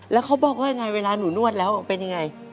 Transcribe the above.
แล้วเขาบอกว่ายังไงเวลาหนูนวดแล้วเป็นยังไง